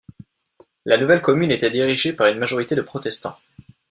La nouvelle commune était dirigée par une majorité de protestants.